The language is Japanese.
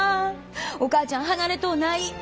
お母ちゃん離れとうない。